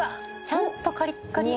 ちゃんとカリッカリ。